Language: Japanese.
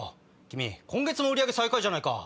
君今月も売り上げ最下位じゃないか。